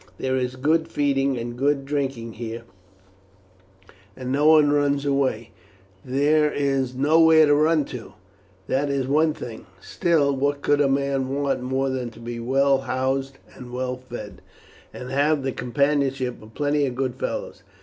"There is good feeding and good drinking here, and no one runs away. There is nowhere to run to, that is one thing. Still, what could a man want more than to be well housed, well fed, and have the companionship of plenty of good fellows?